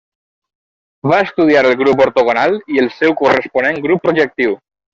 Va estudiar el grup ortogonal i el seu corresponent grup projectiu.